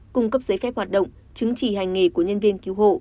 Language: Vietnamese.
cung cấp giấy phép hoạt động chứng chỉ hành nghề của nhân viên cứu hộ